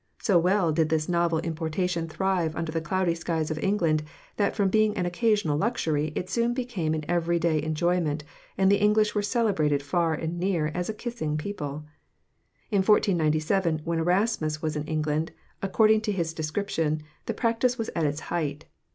So well did this novel importation thrive under the cloudy skies of England that from being an occasional luxury it soon became an every day enjoyment and the English were celebrated far and near as a kissing people. In 1497 when Erasmus was in England, according to his description, the practice was at its height.